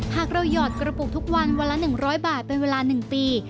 หากเราหยอดกระปุกทุกวันวันละ๑๐๐บาทเป็นเวลา๑ปี